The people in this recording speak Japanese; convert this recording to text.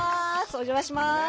お邪魔します。